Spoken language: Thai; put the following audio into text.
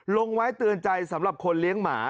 ลงไว้เตือนใจสำหรับคนเลี้ยงหมา